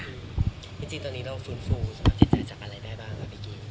จริงตอนนี้เราฟื้นฟูสำหรับจิตใจจากอะไรได้บ้างครับกี้